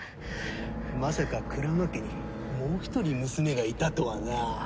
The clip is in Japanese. まさか鞍馬家にもう一人娘がいたとはな。